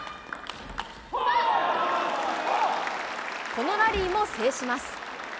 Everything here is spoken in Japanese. このラリーも制します。